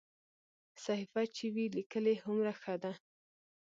صحیفه چې وي لیکلې هومره ښه ده.